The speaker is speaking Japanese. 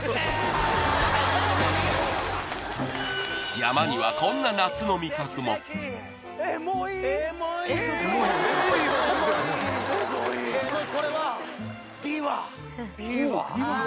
山にはこんな夏の味覚もゼキう